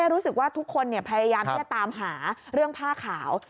รู้สึกว่าทุกคนพยายามที่จะตามหาเรื่องผ้าขาว